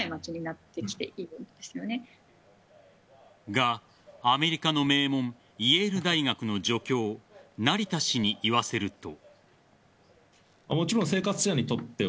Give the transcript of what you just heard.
が、アメリカの名門イエール大学の助教成田氏に言わせると。